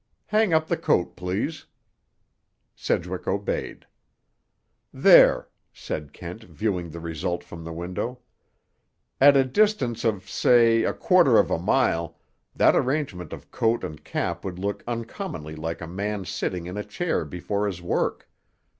Hang up the coat, please." Sedgwick obeyed. "There," said Kent viewing the result from the window. "At a distance of, say, a quarter of a mile, that arrangement of coat and cap would look uncommonly like a man sitting in a chair before his work.